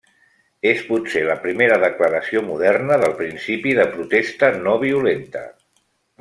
És potser la primera declaració moderna del principi de protesta no-violenta.